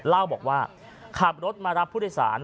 เล่าบอกว่าขับรถมารับผู้โดยสาร